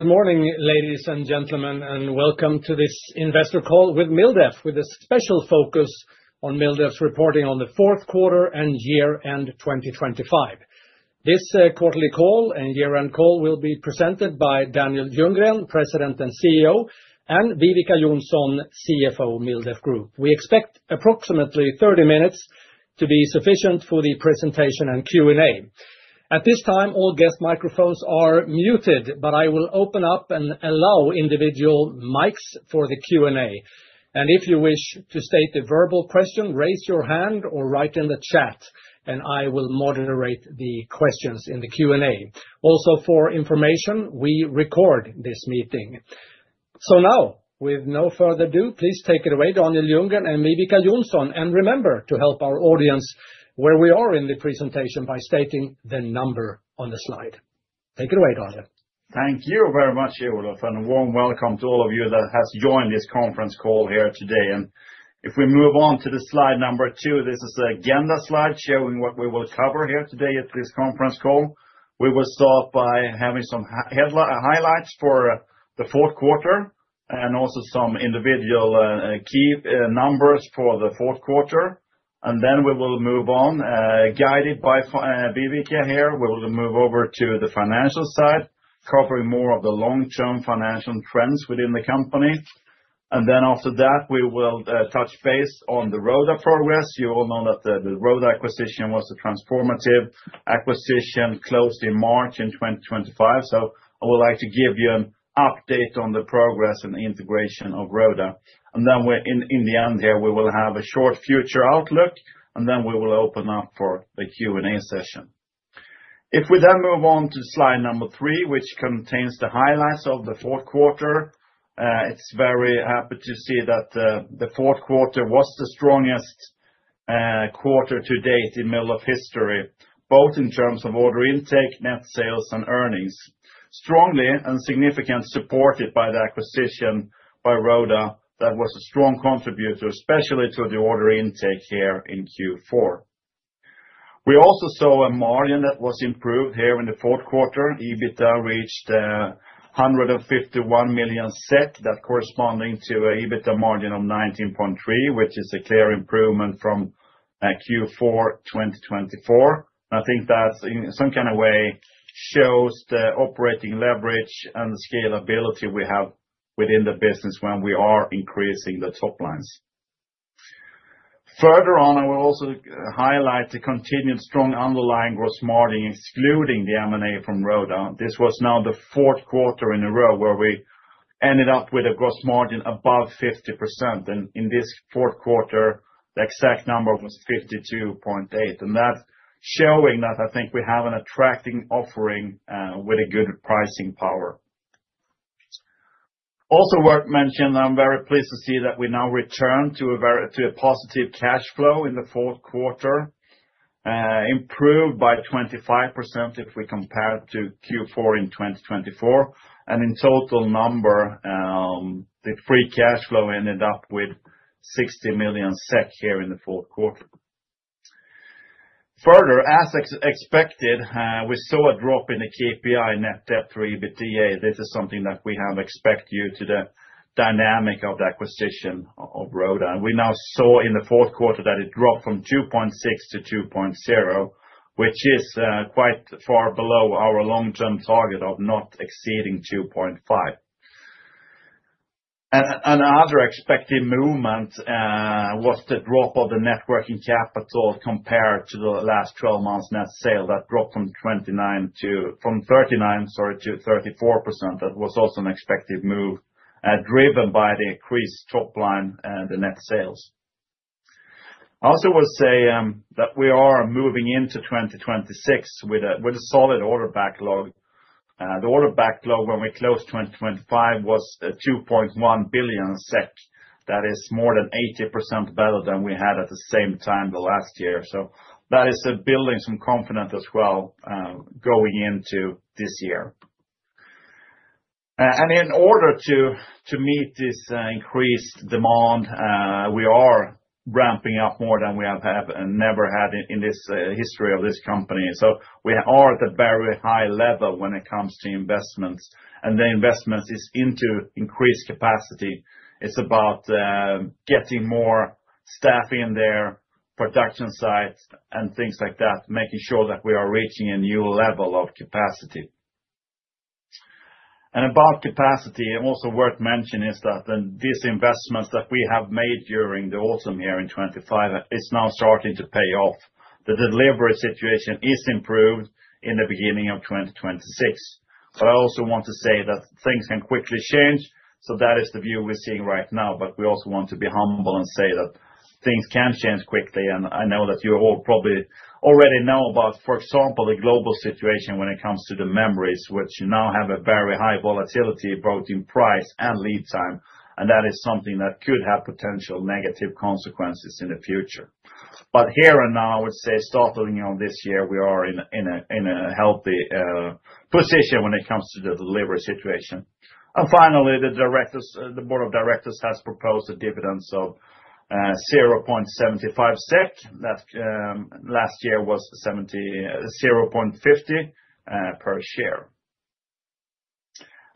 Good morning, ladies and gentlemen, and welcome to this investor call with MilDef, with a special focus on MilDef's reporting on the fourth quarter and year-end 2025. This quarterly call and year-end call will be presented by Daniel Ljunggren, President and CEO, and Viveca Johnsson, CFO, MilDef Group. We expect approximately 30 minutes to be sufficient for the presentation and Q&A. At this time, all guest microphones are muted, but I will open up and allow individual mics for the Q&A. If you wish to state the verbal question, raise your hand or write in the chat, and I will moderate the questions in the Q&A. Also, for information, we record this meeting. Now, with no further ado, please take it away, Daniel Ljunggren and Viveca Johnsson, and remember to help our audience where we are in the presentation by stating the number on the slide. Take it away, Daniel. Thank you very much, Olof, and a warm welcome to all of you that has joined this conference call here today. If we move on to the slide number 2, this is the agenda slide showing what we will cover here today at this conference call. We will start by having some highlights for the fourth quarter and also some individual key numbers for the fourth quarter. Then we will move on, guided by Viveca here, we will move over to the financial side, covering more of the long-term financial trends within the company. Then after that, we will touch base on the Roda progress. You all know that the Roda acquisition was a transformative acquisition, closed in March 2025. So I would like to give you an update on the progress and integration of Roda. Then in the end here, we will have a short future outlook, and then we will open up for the Q&A session. If we then move on to slide number 3, which contains the highlights of the fourth quarter, it's very happy to see that the fourth quarter was the strongest quarter to date in MilDef history, both in terms of order intake, net sales, and earnings. Strongly and significantly supported by the acquisition of Roda, that was a strong contributor, especially to the order intake here in Q4. We also saw a margin that was improved here in the fourth quarter. EBITDA reached 151 million SEK, that corresponding to an EBITDA margin of 19.3%, which is a clear improvement from Q4 2024. I think that's, in some kind of way, shows the operating leverage and the scalability we have within the business when we are increasing the top lines. Further on, I will also highlight the continued strong underlying gross margin, excluding the M&A from Roda. This was now the fourth quarter in a row where we ended up with a gross margin above 50%, and in this fourth quarter, the exact number was 52.8%. And that's showing that I think we have an attractive offering with a good pricing power. Also worth mentioning, I'm very pleased to see that we now return to a positive cash flow in the fourth quarter, improved by 25% if we compare it to Q4 in 2024. In total, the free cash flow ended up with 60 million SEK here in the fourth quarter. Further, as expected, we saw a drop in the KPI net debt to EBITDA. This is something that we have expected due to the dynamic of the acquisition of Roda. We now saw in the fourth quarter that it dropped from 2.6 to 2.0, which is quite far below our long-term target of not exceeding 2.5. Another expected movement was the drop of the working capital compared to the last twelve months net sale. That dropped from 39%, sorry, to 34%. That was also an expected move, driven by the increased top line, the net sales. I also will say that we are moving into 2026 with a, with a solid order backlog. The order backlog when we closed 2025 was two point one billion SEK. That is more than 80% better than we had at the same time the last year. So that is building some confidence as well, going into this year. And in order to meet this increased demand, we are ramping up more than we have never had in the history of this company. So we are at a very high level when it comes to investments, and the investments is into increased capacity. It's about getting more staff in there, production sites, and things like that, making sure that we are reaching a new level of capacity. And about capacity, and also worth mentioning, is that, these investments that we have made during the autumn here in 2025, it's now starting to pay off. The delivery situation is improved in the beginning of 2026. But I also want to say that things can quickly change, so that is the view we're seeing right now. But we also want to be humble and say that things can change quickly, and I know that you all probably already know about, for example, the global situation when it comes to the memories, which now have a very high volatility, both in price and lead time, and that is something that could have potential negative consequences in the future. But here and now, I would say, starting on this year, we are in a healthy position when it comes to the delivery situation... Finally, the directors, the board of directors has proposed a dividend of 0.75 SEK. That last year was 0.50 SEK per share.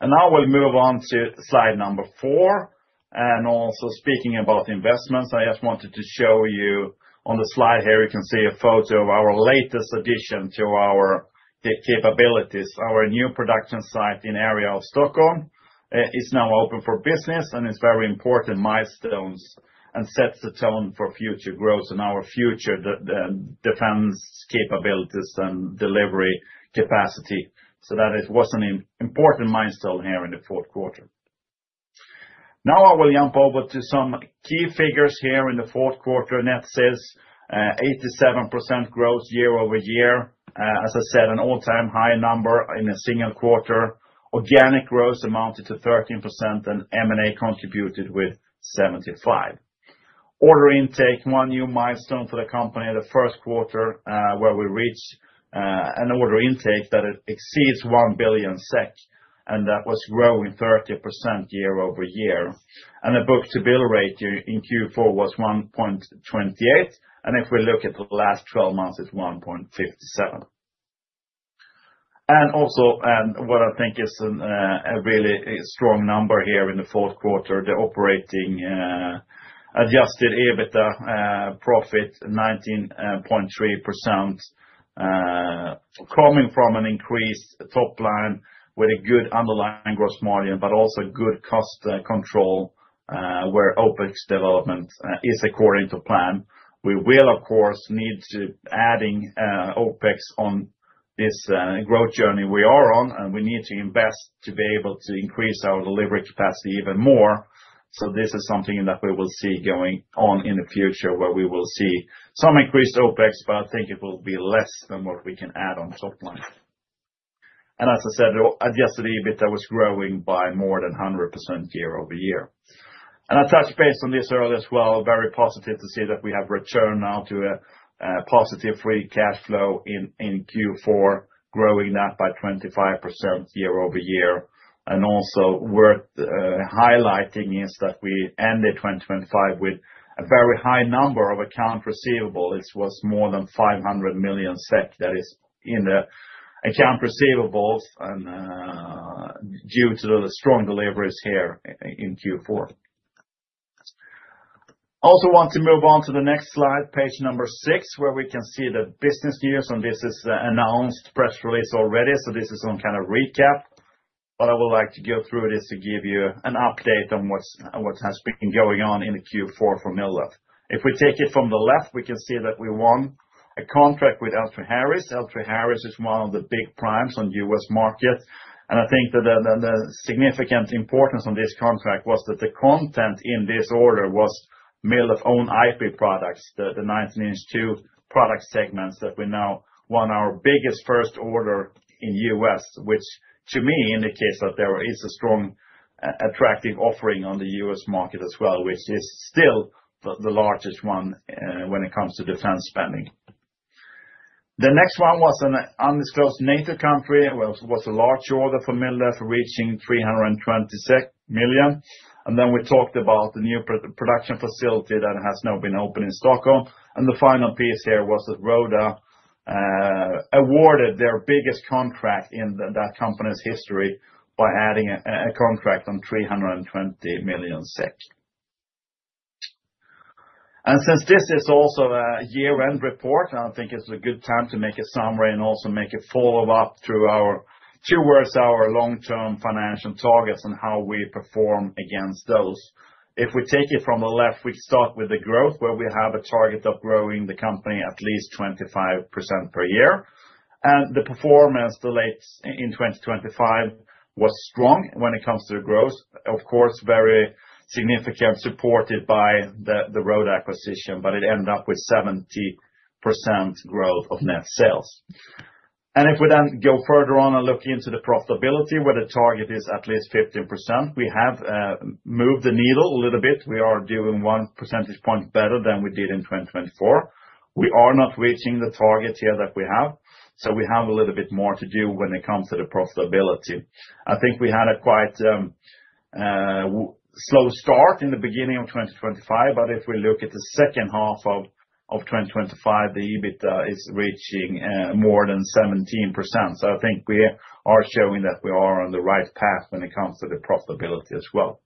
Now we'll move on to slide number 4, and also speaking about investments. I just wanted to show you on the slide here, you can see a photo of our latest addition to our capabilities, our new production site in the area of Stockholm. It's now open for business, and it's very important milestones, and sets the tone for future growth and our future, the defense capabilities and delivery capacity, so that it was an important milestone here in the fourth quarter. Now, I will jump over to some key figures here in the fourth quarter. Net sales 87% growth year-over-year. As I said, an all-time high number in a single quarter. Organic growth amounted to 13%, and M&A contributed with 75. Order intake, one new milestone for the company in the first quarter, where we reached, an order intake that it exceeds 1 billion SEK, and that was growing 30% year-over-year. And the book-to-bill rate in Q4 was 1.28, and if we look at the last 12 months, it's 1.57. And also, what I think is, a really strong number here in the fourth quarter, the operating adjusted EBITDA profit 19.3%, coming from an increased top line with a good underlying gross margin, but also good cost control, where OpEx development is according to plan. We will, of course, need to adding OpEx on this growth journey we are on, and we need to invest to be able to increase our delivery capacity even more. So this is something that we will see going on in the future, where we will see some increased OpEx, but I think it will be less than what we can add on the top line. And as I said, adjusted EBITDA was growing by more than 100% year-over-year. And I touched base on this earlier as well, very positive to see that we have returned now to a positive free cash flow in Q4, growing that by 25% year-over-year. And also worth highlighting is that we ended 2025 with a very high number of accounts receivable. It was more than 500 million SEK, that is in the accounts receivable, and due to the strong deliveries here in Q4. Also want to move on to the next slide, page number six, where we can see the business news, and this is an announced press release already, so this is some kind of recap. What I would like to go through this to give you an update on what's, on what has been going on in Q4 for MilDef. If we take it from the left, we can see that we won a contract with L3Harris. L3Harris is one of the big primes on U.S. market. And I think that the significant importance on this contract was that the content in this order was MilDef's own IP products, the 19"/2 product segments that we now won our biggest first order in US, which to me, indicates that there is a strong, attractive offering on the US market as well, which is still the largest one, when it comes to defense spending. The next one was an undisclosed NATO country, it was a large order for MilDef, reaching 320 million. And then we talked about the new production facility that has now been opened in Stockholm. And the final piece here was that Roda awarded their biggest contract in that company's history by adding a contract on 320 million SEK. And since this is also a year-end report, I think it's a good time to make a summary and also make a follow-up towards our long-term financial targets and how we perform against those. If we take it from the left, we start with the growth, where we have a target of growing the company at least 25% per year. And the performance lately in 2025 was strong when it comes to the growth. Of course, very significant, supported by the Roda acquisition, but it ended up with 70% growth of net sales. And if we then go further on and look into the profitability, where the target is at least 15%, we have moved the needle a little bit. We are doing one percentage point better than we did in 2024. We are not reaching the target here that we have, so we have a little bit more to do when it comes to the profitability. I think we had a quite slow start in the beginning of 2025, but if we look at the second half of 2025, the EBITDA is reaching more than 17%. So I think we are showing that we are on the right path when it comes to the profitability as well.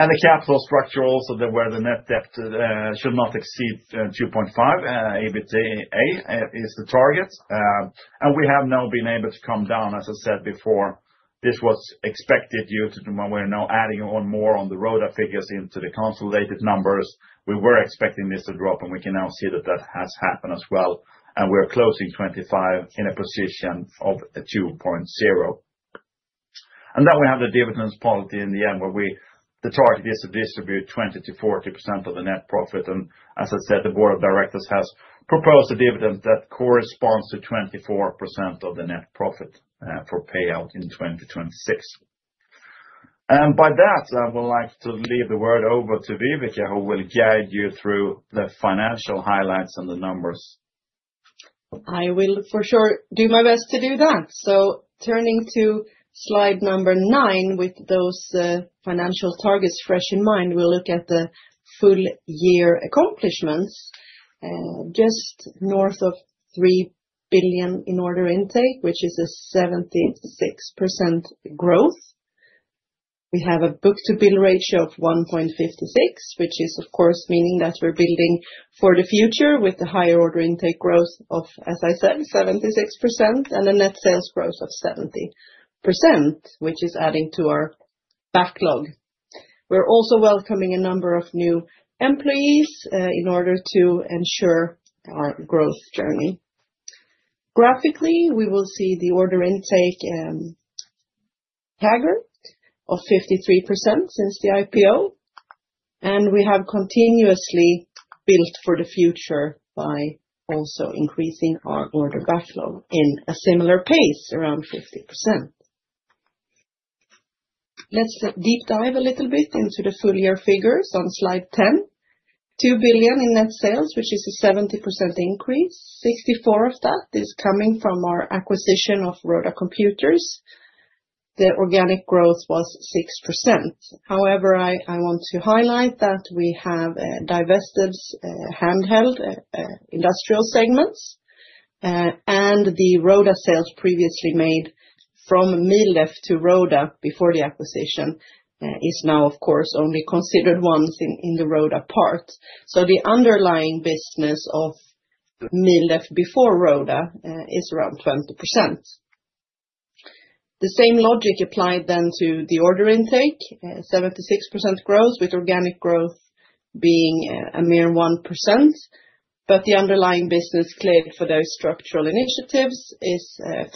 And the capital structure, also, the way the net debt should not exceed 2.5 EBITDA is the target. And we have now been able to come down, as I said before, this was expected due to when we're now adding on more on the Roda figures into the consolidated numbers. We were expecting this to drop, and we can now see that that has happened as well, and we're closing 25 in a position of a 2.0. And then we have the dividends policy in the end, where the target is to distribute 20%-40% of the net profit, and as I said, the board of directors has proposed a dividend that corresponds to 24% of the net profit, for payout in 2026. And by that, I would like to leave the word over to Viveca, who will guide you through the financial highlights and the numbers. I will for sure do my best to do that. So turning to slide number 9, with those financial targets fresh in mind, we'll look at the full year accomplishments. Just north of 3 billion in order intake, which is a 76% growth. We have a book-to-bill ratio of 1.56, which is of course meaning that we're building for the future with a higher order intake growth of, as I said, 76%, and a net sales growth of 70%, which is adding to our backlog. We're also welcoming a number of new employees in order to ensure our growth journey. Graphically, we will see the order intake CAGR of 53% since the IPO, and we have continuously built for the future by also increasing our order backlog in a similar pace, around 50%. Let's deep dive a little bit into the full year figures on slide 10. 2 billion in net sales, which is a 70% increase. 64% of that is coming from our acquisition of Roda Computer. The organic growth was 6%. However, I want to highlight that we have divested Handheld industrial segments, and the Roda sales previously made from MilDef to Roda before the acquisition is now, of course, only considered once in the Roda part. So the underlying business of MilDef before Roda is around 20%. The same logic applied to the order intake, 76% growth, with organic growth being a mere 1%, but the underlying business cleared for those structural initiatives is 14%.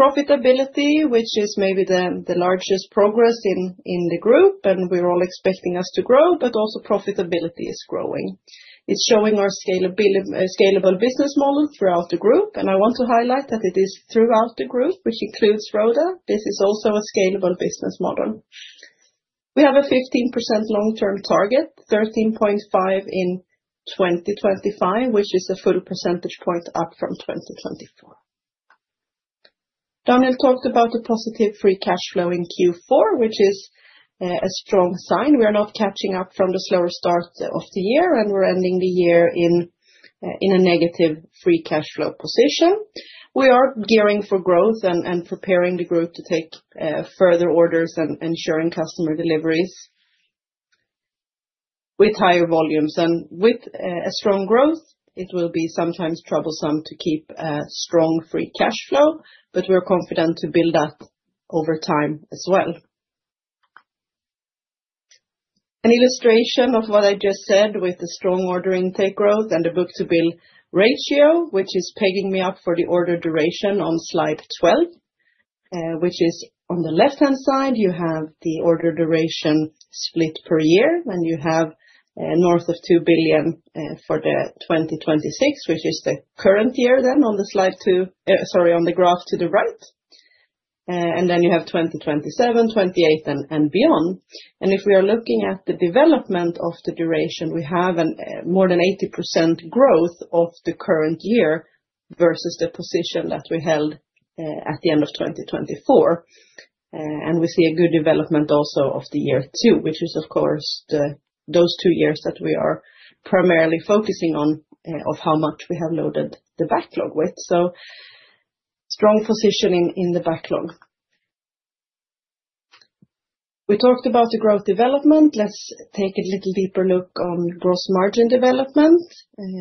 Profitability, which is maybe the largest progress in the group, and we're all expecting us to grow, but also profitability is growing. It's showing our scalable business model throughout the group, and I want to highlight that it is throughout the group, which includes Roda. This is also a scalable business model. We have a 15% long-term target, 13.5 in 2025, which is a full percentage point up from 2024. Daniel talked about the positive free cash flow in Q4, which is a strong sign. We are not catching up from the slower start of the year, and we're ending the year in a negative free cash flow position. We are gearing for growth and preparing the group to take further orders and ensuring customer deliveries with higher volumes. And with a strong growth, it will be sometimes troublesome to keep a strong free cash flow, but we're confident to build that over time as well. An illustration of what I just said with the strong order intake growth and the book-to-bill ratio, which is pegging me up for the order duration on slide 12, which is on the left-hand side, you have the order duration split per year, and you have north of 2 billion for 2026, which is the current year, then on the slide to, sorry, on the graph to the right. And then you have 2027, 2028, and beyond. If we are looking at the development of the duration, we have a more than 80% growth of the current year versus the position that we held at the end of 2024. We see a good development also of the year 2, which is, of course, those 2 years that we are primarily focusing on of how much we have loaded the backlog with. Strong positioning in the backlog. We talked about the growth development. Let's take a little deeper look on gross margin development.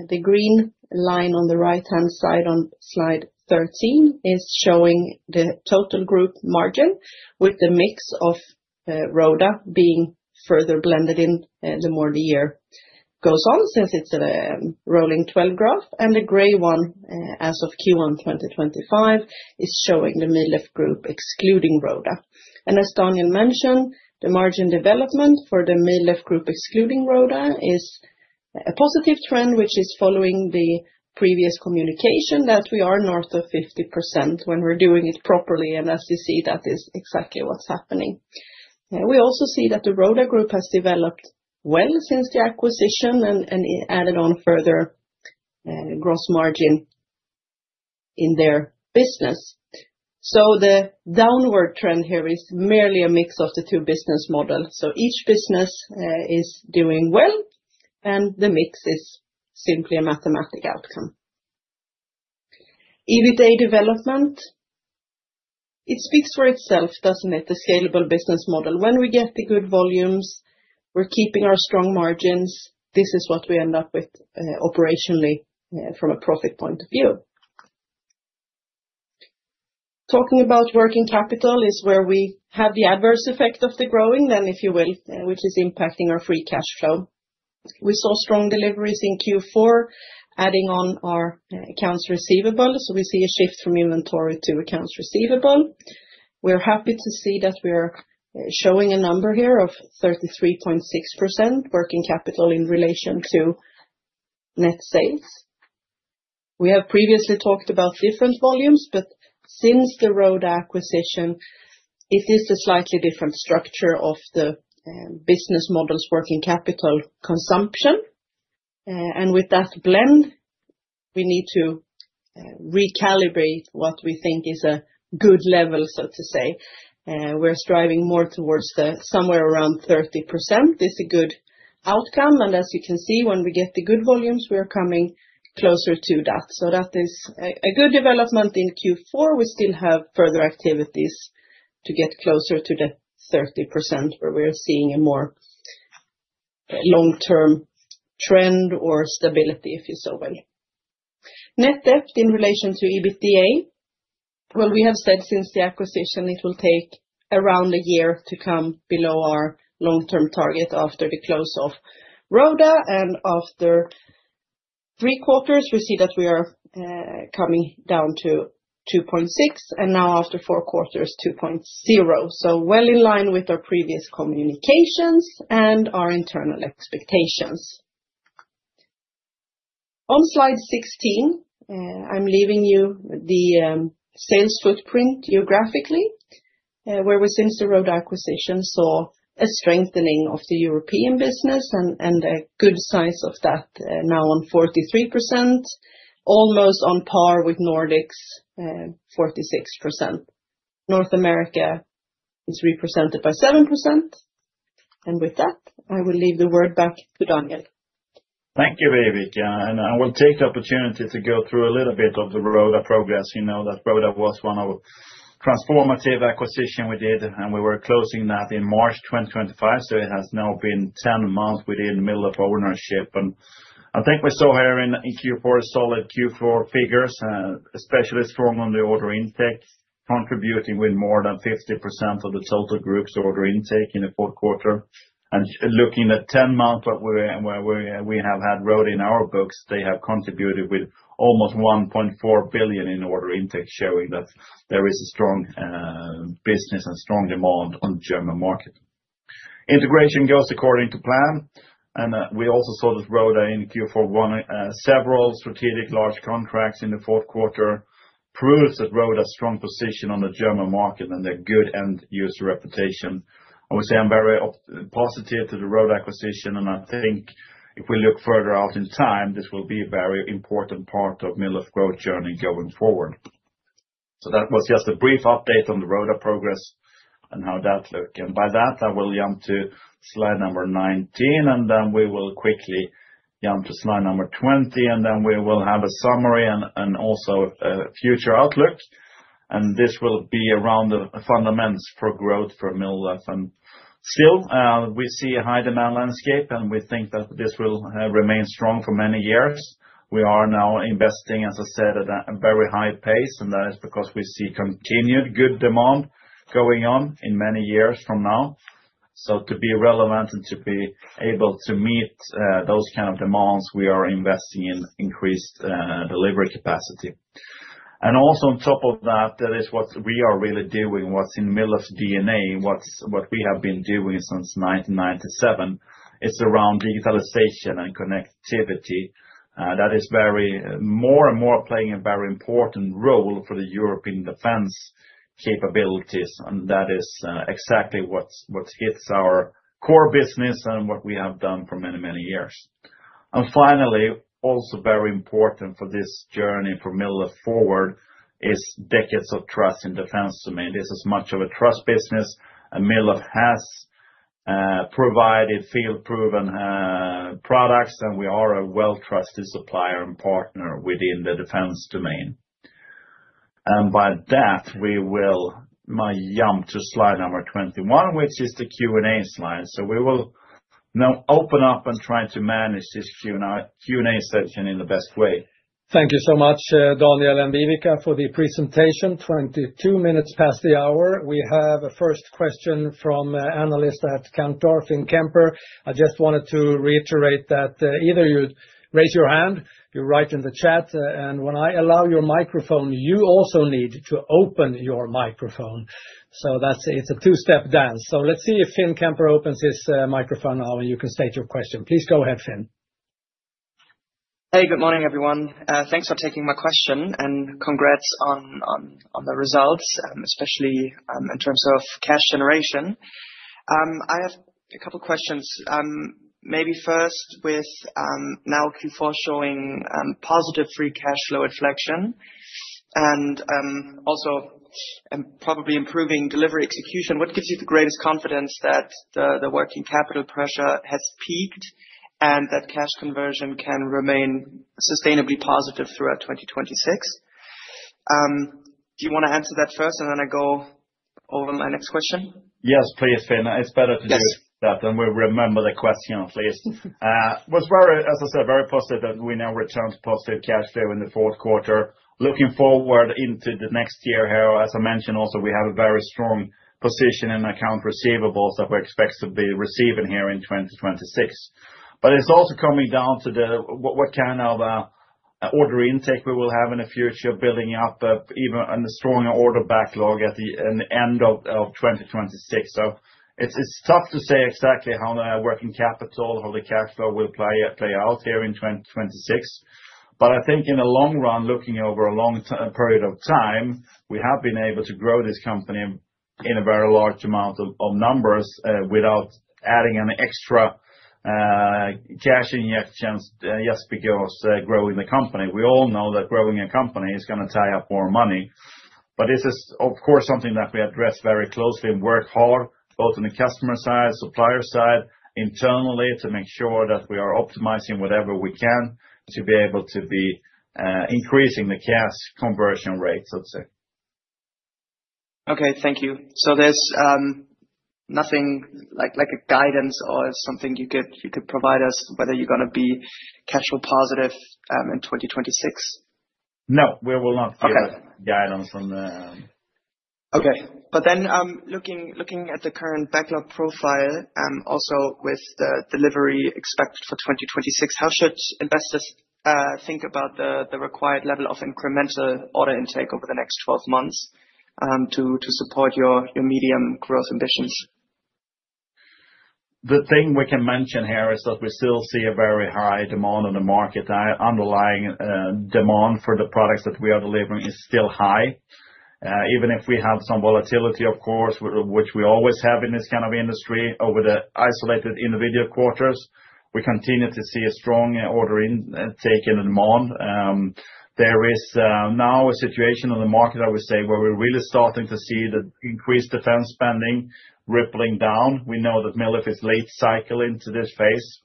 The green line on the right-hand side on slide 13 is showing the total group margin, with the mix of Roda being further blended in, the more the year goes on, since it's a rolling 12 graph. The gray one, as of Q1 2025, is showing the MilDef Group, excluding Roda. As Daniel mentioned, the margin development for the MilDef Group, excluding Roda, is a positive trend, which is following the previous communication that we are north of 50% when we're doing it properly, and as you see, that is exactly what's happening. We also see that the Roda group has developed well since the acquisition and, and it added on further, gross margin in their business. The downward trend here is merely a mix of the two business models. Each business is doing well, and the mix is simply a mathematical outcome. EBITDA development, it speaks for itself, doesn't it? The scalable business model. When we get the good volumes, we're keeping our strong margins. This is what we end up with, operationally, from a profit point of view. Talking about working capital is where we have the adverse effect of the growing, then, if you will, which is impacting our free cash flow. We saw strong deliveries in Q4, adding on our accounts receivable, so we see a shift from inventory to accounts receivable. We're happy to see that we are showing a number here of 33.6% working capital in relation to net sales... We have previously talked about different volumes, but since the Roda acquisition, it is a slightly different structure of the business model's working capital consumption. And with that blend, we need to recalibrate what we think is a good level, so to say. We're striving more towards the somewhere around 30%. It's a good outcome, and as you can see, when we get the good volumes, we are coming closer to that. So that is a good development in Q4. We still have further activities to get closer to the 30%, where we are seeing a more long-term trend or stability, if you so will. Net debt in relation to EBITDA, well, we have said since the acquisition, it will take around a year to come below our long-term target after the close of Roda, and after three quarters, we see that we are coming down to 2.6, and now, after four quarters, 2.0. So well in line with our previous communications and our internal expectations. On slide 16, I'm leaving you the sales footprint geographically, where we, since the Roda acquisition, saw a strengthening of the European business and, and a good size of that, now on 43%, almost on par with Nordics, 46%. North America is represented by 7%, and with that, I will leave the word back to Daniel. Thank you, Viveca. I will take the opportunity to go through a little bit of the Roda progress. You know that Roda was one of transformative acquisition we did, and we were closing that in March 2025, so it has now been 10 months within the MilDef's ownership. I think we saw here in Q4, solid Q4 figures, especially strong on the order intake, contributing with more than 50% of the total group's order intake in the fourth quarter. Looking at 10 months of where, where we have had Roda in our books, they have contributed with almost 1.4 billion in order intake, showing that there is a strong business and strong demand on German market. Integration goes according to plan, and we also saw that Roda in Q4 won several strategic large contracts in the fourth quarter, proves that Roda has strong position on the German market and a good end user reputation. I would say I'm very positive to the Roda acquisition, and I think if we look further out in time, this will be a very important part of MilDef growth journey going forward. So that was just a brief update on the Roda progress and how that looks. And by that, I will jump to slide number 19, and then we will quickly jump to slide number 20, and then we will have a summary and also future outlook. And this will be around the fundamentals for growth for MilDef. Still, we see a high demand landscape, and we think that this will remain strong for many years. We are now investing, as I said, at a very high pace, and that is because we see continued good demand going on in many years from now. So to be relevant and to be able to meet those kind of demands, we are investing in increased delivery capacity. And also, on top of that, that is what we are really doing, what's in MilDef's DNA, what we have been doing since 1997, is around digitalization and connectivity. That is very, more and more playing a very important role for the European defense capabilities, and that is exactly what hits our core business and what we have done for many, many years. And finally, also very important for this journey for MilDef forward, is decades of trust in defense domain. This is much of a trust business, and MilDef has provided field-proven products, and we are a well-trusted supplier and partner within the defense domain. And by that, we will my jump to slide number 21, which is the Q&A slide. So we will now open up and try to manage this Q&A session in the best way. Thank you so much, Daniel and Viveca, for the presentation. 22 minutes past the hour. We have a first question from an analyst at Cantor, Finn Kemper. I just wanted to reiterate that, either you raise your hand, you write in the chat, and when I allow your microphone, you also need to open your microphone. So that's... It's a two-step dance. So let's see if Finn Kemper opens his microphone, and you can state your question. Please go ahead, Finn. Hey, good morning, everyone. Thanks for taking my question, and congrats on the results, especially in terms of cash generation. I have a couple questions. Maybe first with now Q4 showing positive free cash flow inflection, and also and probably improving delivery execution, what gives you the greatest confidence that the working capital pressure has peaked and that cash conversion can remain sustainably positive throughout 2026? Do you want to answer that first, and then I go over my next question? Yes, please, Finn. It's better to- Yes... do that, then we remember the question at least. What's very, as I said, very positive that we now returned to positive cash flow in the fourth quarter. Looking forward into the next year, as I mentioned, also, we have a very strong position in accounts receivable that we're expected to be receiving here in 2026. But it's also coming down to the, what, what kind of order intake we will have in the future, building up, even on the stronger order backlog at the, in the end of, of 2026. So it's, it's tough to say exactly how the working capital or the cash flow will play out here in 2026. But I think in the long run, looking over a long-term period of time, we have been able to grow this company-... In a very large amount of numbers without adding any extra cash injections, just because growing the company. We all know that growing a company is gonna tie up more money. But this is, of course, something that we address very closely and work hard, both on the customer side, supplier side, internally, to make sure that we are optimizing whatever we can to be able to be increasing the cash conversion rate, so to say. Okay, thank you. So there's nothing like a guidance or something you could provide us, whether you're gonna be cash flow positive in 2026? No, we will not- Okay. -give guidance on the- Okay. But then, looking at the current backlog profile, also with the delivery expected for 2026, how should investors think about the required level of incremental order intake over the next 12 months, to support your medium growth ambitions? The thing we can mention here is that we still see a very high demand on the market. Underlying demand for the products that we are delivering is still high. Even if we have some volatility, of course, which we always have in this kind of industry, over the isolated individual quarters, we continue to see a strong order intake and demand. There is now a situation on the market, I would say, where we're really starting to see the increased defense spending rippling down. We know that MilDef is late cycle into this phase.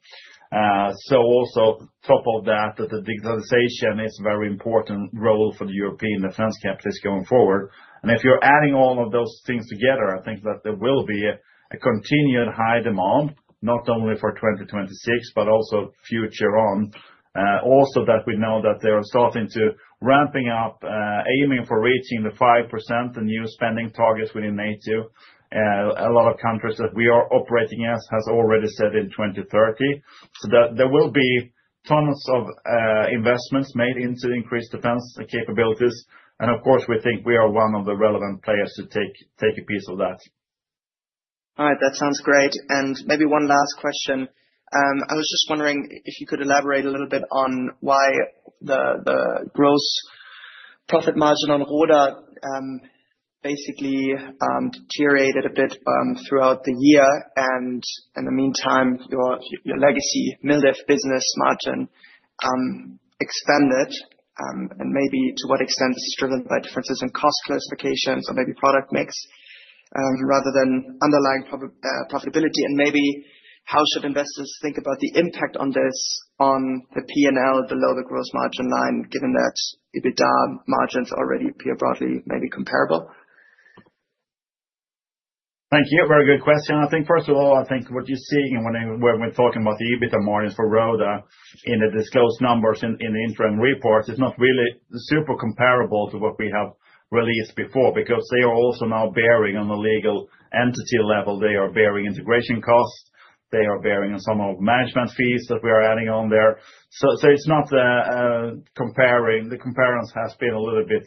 So on top of that, the digitalization plays a very important role for the European defense capabilities going forward. And if you're adding all of those things together, I think that there will be a continued high demand, not only for 2026, but also future on. Also that we know that they are starting to ramp up, aiming for reaching the 5%, the new spending targets within NATO. A lot of countries that we are operating in has already set in 2030. So that there will be tons of investments made into increased defense capabilities, and of course, we think we are one of the relevant players to take a piece of that. All right, that sounds great. Maybe one last question. I was just wondering if you could elaborate a little bit on why the, the gross profit margin on Roda, basically, deteriorated a bit, throughout the year, and in the meantime, your, your legacy MilDef business margin, expanded, and maybe to what extent this is driven by differences in cost classifications or maybe product mix, rather than underlying profitability. Maybe how should investors think about the impact on this, on the P&L below the gross margin line, given that EBITDA margins already appear broadly, maybe comparable? Thank you. Very good question. I think first of all, I think what you're seeing when we're talking about the EBITDA margin for Roda in the disclosed numbers in the interim report, is not really super comparable to what we have released before, because they are also now bearing on the legal entity level. They are bearing integration costs, they are bearing on some of management fees that we are adding on there. So it's not comparing, the comparisons has been a little bit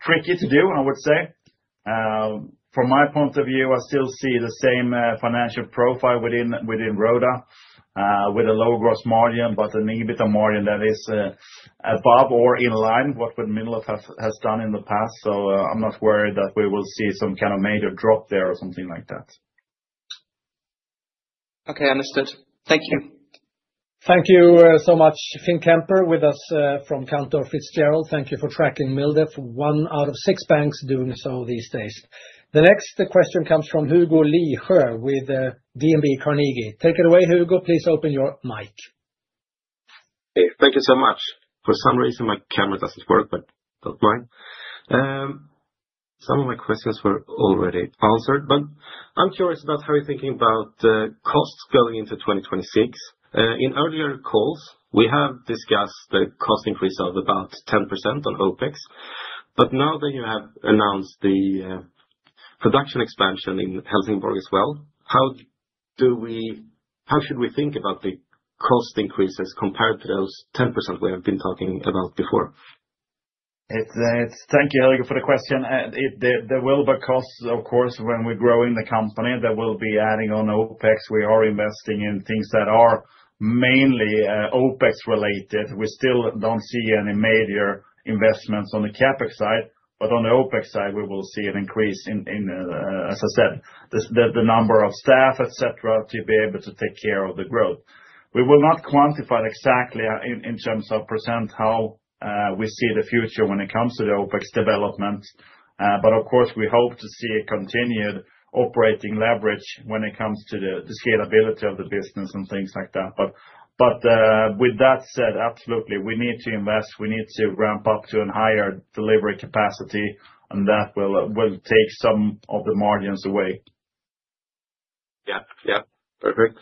tricky to do, I would say. From my point of view, I still see the same financial profile within Roda, with a lower gross margin, but an EBITDA margin that is above or in line with what MilDef has done in the past. I'm not worried that we will see some kind of major drop there or something like that. Okay, understood. Thank you. Thank you, so much, Finn Kemper, with us, from Cantor Fitzgerald. Thank you for tracking MilDef, one out of six banks doing so these days. The next question comes from Hugo Lisjö with, DNB Carnegie. Take it away, Hugo. Please open your mic. Hey, thank you so much. For some reason, my camera doesn't work, but don't mind. Some of my questions were already answered, but I'm curious about how you're thinking about costs going into 2026. In earlier calls, we have discussed the cost increase of about 10% on OpEx. But now that you have announced the production expansion in Helsingborg as well, how should we think about the cost increases compared to those 10% we have been talking about before? It's thank you, Hugo, for the question. There will be costs, of course, when we're growing the company, there will be adding on OpEx. We are investing in things that are mainly OpEx related. We still don't see any major investments on the CapEx side, but on the OpEx side, we will see an increase in, as I said, the number of staff, et cetera, to be able to take care of the growth. We will not quantify exactly in terms of percent, how we see the future when it comes to the OpEx development. But of course, we hope to see a continued operating leverage when it comes to the scalability of the business and things like that. But, with that said, absolutely, we need to invest, we need to ramp up to a higher delivery capacity, and that will take some of the margins away. Yeah, yeah. Perfect.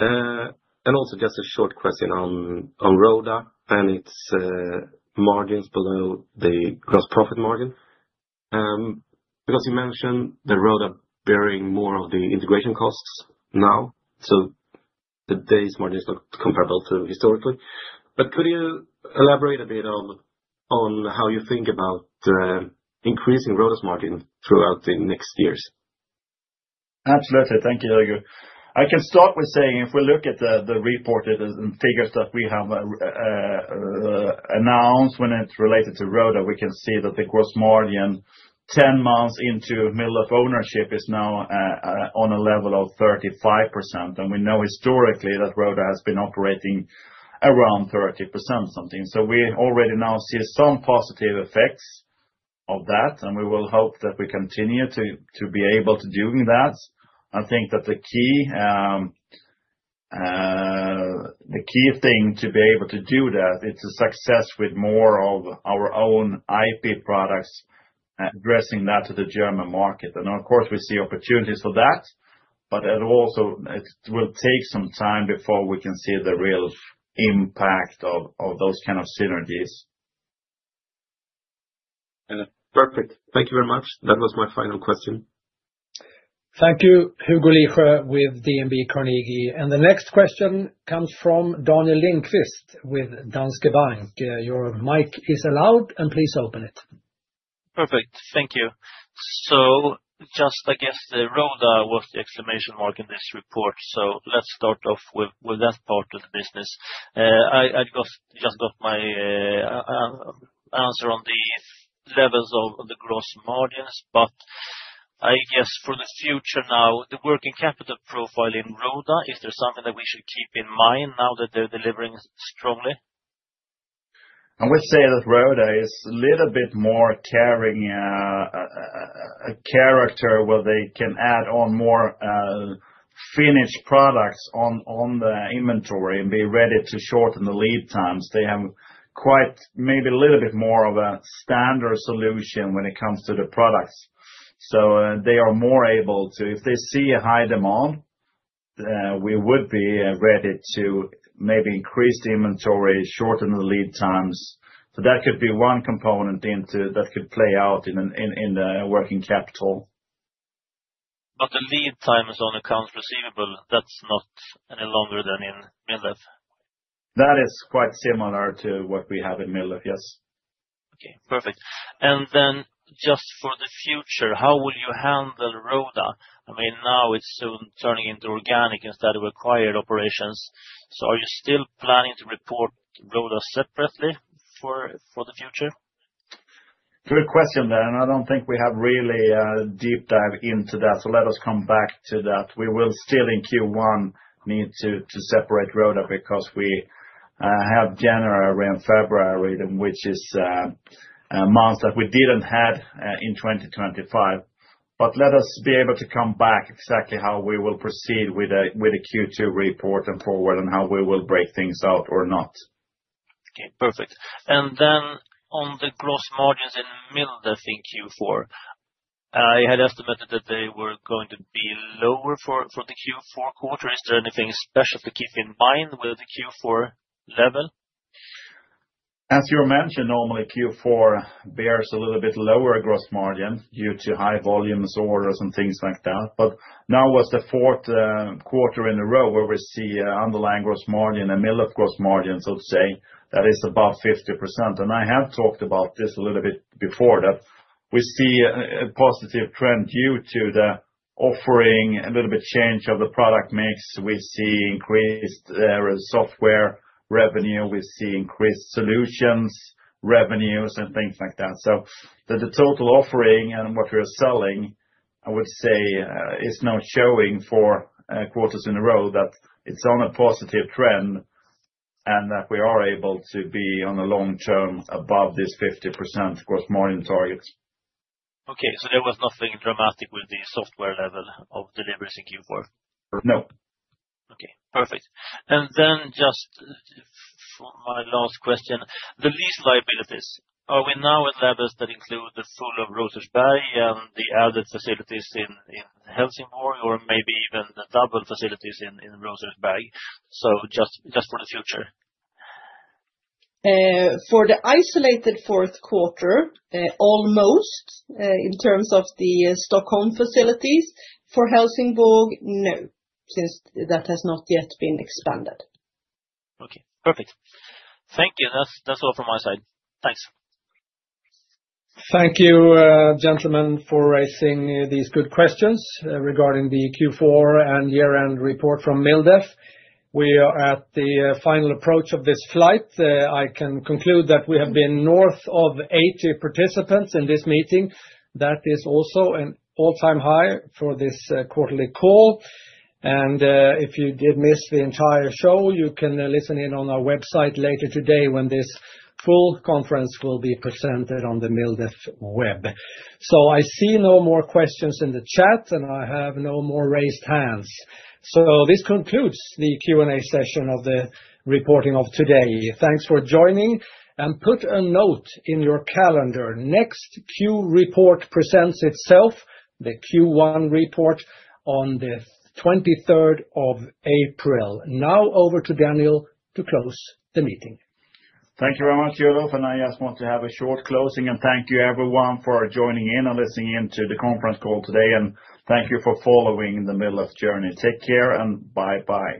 And also just a short question on Roda and its margins below the gross profit margin. Because you mentioned the Roda bearing more of the integration costs now, so today's margin is not comparable to historically. But could you elaborate a bit on how you think about increasing Roda's margin throughout the next years? Absolutely. Thank you, Hugo. I can start with saying, if we look at the reported figures that we have announced when it's related to Roda, we can see that the gross margin, 10 months into middle of ownership, is now on a level of 35%. And we know historically that Roda has been operating around 30% something. So we already now see some positive effects of that, and we will hope that we continue to be able to doing that. I think that the key, the key thing to be able to do that, it's a success with more of our own IP products, addressing that to the German market. And of course, we see opportunities for that, but it also, it will take some time before we can see the real impact of those kind of synergies. Perfect. Thank you very much. That was my final question. Thank you, Hugo Lisjö, with DNB Carnegie. The next question comes from Daniel Lindkvist, with Danske Bank. Your mic is allowed, and please open it. Perfect. Thank you. So just, I guess, the Roda was the exclamation mark in this report, so let's start off with that part of the business. I just got my answer on the levels of the gross margins, but I guess for the future now, the working capital profile in Roda, is there something that we should keep in mind now that they're delivering strongly? I would say that Roda is a little bit more carrying a character, where they can add on more finished products on the inventory and be ready to shorten the lead times. They have quite, maybe a little bit more of a standard solution when it comes to the products. So, they are more able to... If they see a high demand, we would be ready to maybe increase the inventory, shorten the lead times. So that could be one component that could play out in the working capital. But the lead times on accounts receivable, that's not any longer than in MilDef? That is quite similar to what we have in MilDef, yes. Okay, perfect. Then just for the future, how will you handle Roda? I mean, now it's soon turning into organic instead of acquired operations. So are you still planning to report Roda separately for the future? Good question there, and I don't think we have really deep dive into that, so let us come back to that. We will still, in Q1, need to separate Roda, because we have January and February, then, which is months that we didn't have in 2025. But let us be able to come back exactly how we will proceed with a Q2 report and forward, and how we will break things out or not. Okay, perfect. And then on the gross margins in MilDef in Q4, I had estimated that they were going to be lower for the Q4 quarter. Is there anything special to keep in mind with the Q4 level? As you mentioned, normally, Q4 bears a little bit lower gross margin due to high volumes orders and things like that. But now, what's the fourth quarter in a row where we see underlying gross margin and MilDef gross margin, so to say, that is above 50%. And I have talked about this a little bit before, that we see a positive trend due to the offering, a little bit change of the product mix. We see increased software revenue, we see increased solutions revenues, and things like that. So the total offering and what we are selling, I would say, is now showing four quarters in a row, that it's on a positive trend, and that we are able to be on a long term above this 50% gross margin target. Okay, so there was nothing dramatic with the software level of deliveries in Q4? No. Okay, perfect. And then just for my last question, the lease liabilities, are we now at levels that include the full of Rosersberg and the added facilities in, in Helsingborg, or maybe even the double facilities in, in Rosersberg? So just, just for the future. For the isolated fourth quarter, almost, in terms of the Stockholm facilities. For Helsingborg, no, since that has not yet been expanded. Okay, perfect. Thank you. That's, that's all from my side. Thanks. Thank you, gentlemen, for raising these good questions regarding the Q4 and year-end report from MilDef. We are at the final approach of this flight. I can conclude that we have been north of 80 participants in this meeting. That is also an all-time high for this quarterly call. And if you did miss the entire show, you can listen in on our website later today when this full conference will be presented on the MilDef web. So I see no more questions in the chat, and I have no more raised hands. So this concludes the Q&A session of the reporting of today. Thanks for joining, and put a note in your calendar. Next Q4 report presents itself, the Q1 report on the twenty-third of April. Now over to Daniel to close the meeting. Thank you very much, Olof, and I just want to have a short closing. And thank you, everyone, for joining in and listening in to the conference call today, and thank you for following the Mildef journey. Take care and bye-bye.